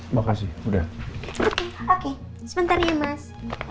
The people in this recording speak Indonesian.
makasih udah oke sebentar ya mas